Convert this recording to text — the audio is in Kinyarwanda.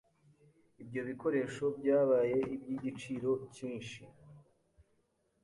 Ibyo bikoresho byabaye iby'igiciro cyinshi.